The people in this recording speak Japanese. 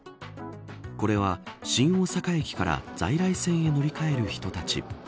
これは、新大阪駅から在来線へ乗り換える人たち。